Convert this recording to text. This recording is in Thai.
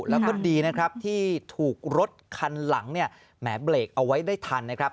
แล้วก็ดีนะครับที่ถูกรถคันหลังเนี่ยแหมเบรกเอาไว้ได้ทันนะครับ